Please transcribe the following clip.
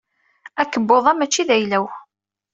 Akebbuḍ-a mačči d ayla-w.